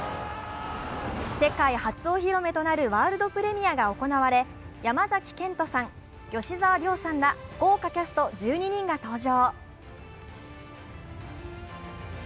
世界初お披露目となるワールドプレミアが行われ山崎賢人さん、吉沢亮さんら豪華キャスト１２人が登場。